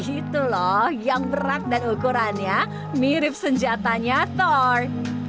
itu loh yang berat dan ukurannya mirip senjatanya thor